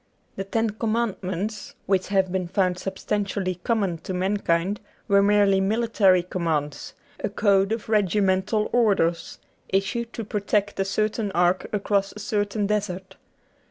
The Ten Commandments which have been found substantially common to mankind were merely military commands ; a code of regimental orders, issued to protect a certain ark across a certain desert.